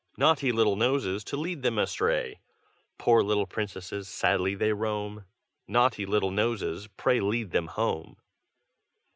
Naughty little noses, to lead them astray! Poor little princesses, sadly they roam, Naughty little noses, pray lead them home!